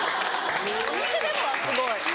お店でもはすごい。